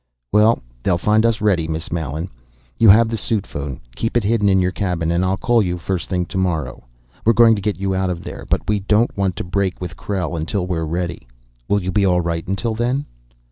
"Well, they'll find us ready. Miss Mallen, you have the suit phone: keep it hidden in your cabin and I'll call you first thing to morrow. We're going to get you out of there, but we don't want to break with Krell until we're ready. Will you be all right until then?"